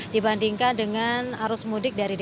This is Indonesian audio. dibandingkan dengan arus mudik dari dki